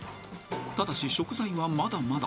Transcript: ［ただし食材はまだまだ］